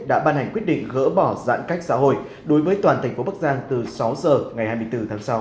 đã ban hành quyết định gỡ bỏ giãn cách xã hội đối với toàn tỉnh phố bắc giang từ sáu giờ ngày hai mươi bốn tháng sáu